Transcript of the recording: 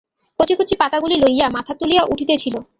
কচি কচি পাতাগুলি লইয়া মাথা তুলিয়া উঠিতেছিল।